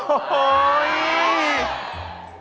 โอ้โห